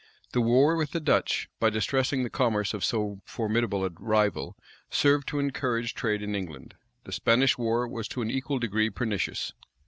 The war with the Dutch, by distressing the commerce of so formidable a rival, served to encourage trade in England; the Spanish war was to an equal degree pernicious.